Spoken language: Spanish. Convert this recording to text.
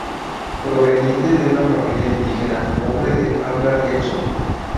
Proveniente de una familia indígena pobre de habla quechua.